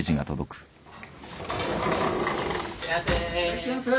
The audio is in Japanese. いらっしゃいませ。